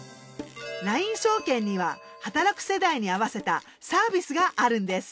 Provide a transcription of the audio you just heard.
ＬＩＮＥ証券には働く世代に合わせたサービスがあるんです。